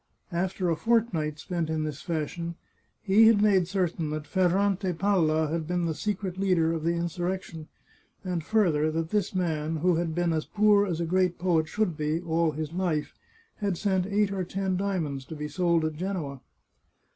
After a fortnight spent in this fashion, he had made certain that Ferrante Palla had been the secret leader of the insurrection, and further, that this man, who had been as poor as a great poet should be, all his life, had sent eight or ten diamonds to be sold at Genoa.